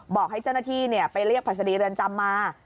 บอกให้เจ้าหน้าที่ไปเรียกพัสดีเรือนจำมา